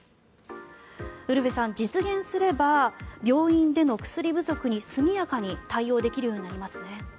ウルヴェさん、実現すれば病院での薬不足に速やかに対応できるようになりますね。